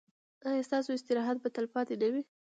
ایا ستاسو استراحت به تلپاتې نه وي؟